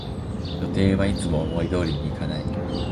予定はいつも思い通りにいかない